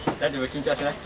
緊張してない？